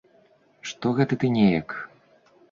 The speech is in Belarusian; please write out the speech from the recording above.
Што гэта ты неяк?